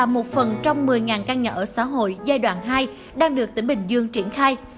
một phần trong một mươi căn nhà ở xã hội giai đoạn hai đang được tỉnh bình dương triển khai